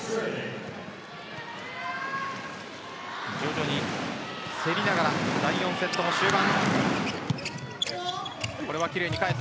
徐々に競りながら第４セットの終盤。